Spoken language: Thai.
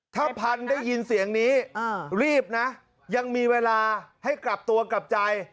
ถ้าพันธุ์ได้ยินเสียงนี้รีบนะยังมีเวลาให้กลับตัวกลับใจ